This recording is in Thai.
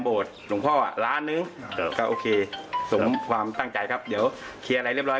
โอเคสมความตั้งใจครับเดี๋ยวเคลียร์อะไรเรียบร้อย